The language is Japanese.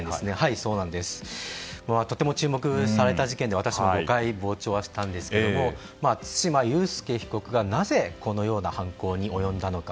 とても注目された事件で私も５回傍聴はしたんですけれども対馬悠介被告がなぜこのような犯行に及んだのか。